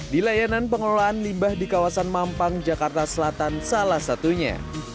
di layanan pengelolaan limbah di kawasan mampang jakarta selatan salah satunya